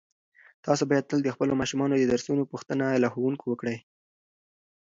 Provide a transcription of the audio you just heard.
تاسو باید تل د خپلو ماشومانو د درسونو پوښتنه له ښوونکو وکړئ.